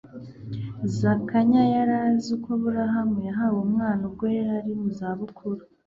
Zakanya yari azi ko Aburahamu yahawe umwana ubwo yari mu zabukuru